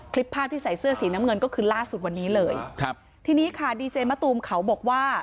ภาพที่ใส่เสื้อสีน้ำเงินก็คือล่าสุดวันนี้เลยครับทีนี้ค่ะดีเจมะตูมเขาบอกว่า